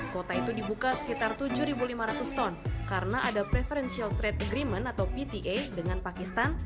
kota itu dibuka sekitar tujuh lima ratus ton karena ada preferential trade agreement atau pta dengan pakistan